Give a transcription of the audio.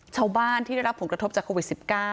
เช่าบ้านที่ได้รับผลผลตกภพจากโควิด๑๙